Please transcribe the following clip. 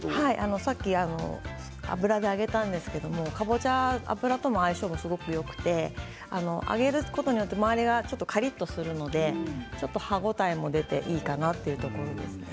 さっき油で揚げたんですけどかぼちゃは、あぶらとも相性がすごくよくて揚げることによって周りがちょっとカリっとするので歯応えも出ていいかなというところですね。